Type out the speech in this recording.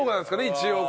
一応。